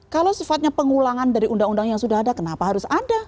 kalau sifatnya pengulangan dari undang undang yang sudah ada kenapa harus ada